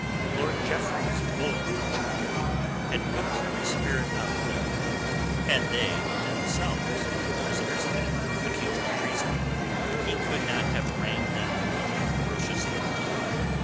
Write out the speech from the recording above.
Lord Jeffreys's bullying charge had whipped the spirit out of them. Had they, themselves, been prisoners accused of treason, he could not have arraigned them more ferociously.